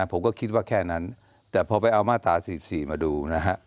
ผมก็คิดว่าแค่นั้นแต่พอไปเอามาตรา๔๔มาดูนะฮะ